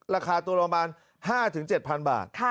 ราคาตัวประมาณ๕๗๐๐บาท